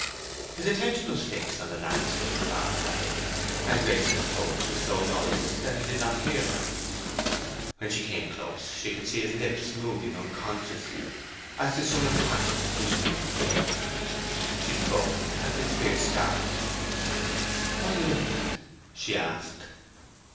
His attention was fixed on the landscape far away, and Grace's approach was so noiseless that he did not hear her. When she came close she could see his lips moving unconsciously, as to some impassioned visionary theme. She spoke, and Fitzpiers started. "What are you looking at?" she asked.